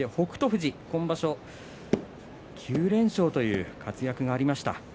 富士、今場所９連勝という活躍がありました。